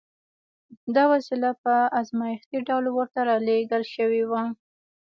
دا وسیله په ازمایښتي ډول ورته را لېږل شوې وه